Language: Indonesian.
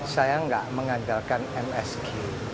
saya enggak mengandalkan msg